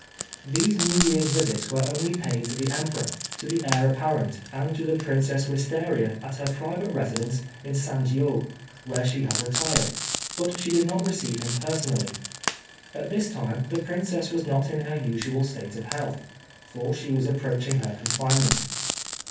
These New Year's visits were only paid to the Emperor, to the Heir apparent, and to the Princess Wistaria at her private residence in Sanjiô, where she had retired, but she did not receive him personally. At this time, the Princess was not in her usual state of health, for she was approaching her confinement.